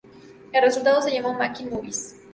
El resultado se llamó "Making Movies".